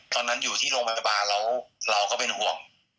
ตอนนั้นอยู่ที่โรงพยาบาลแล้วเราก็เป็นห่วง